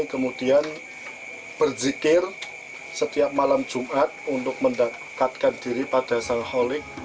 kemudian berzikir setiap malam jumat untuk mendekatkan diri pada sal kholik